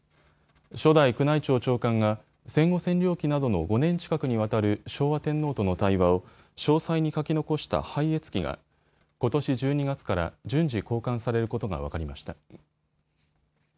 初代宮内庁長官が戦後占領期などの５年近くにわたる昭和天皇との対話を詳細に書き残した拝謁記がことし１２月から順次公刊されることが分かりました。